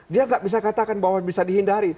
dia nggak bisa katakan bahwa bisa dihindari